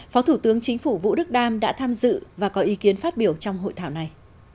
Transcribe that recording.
phó thủ tướng chính phủ vũ đức đam đã tham dự và có ý kiến phát biểu trong hội thảo này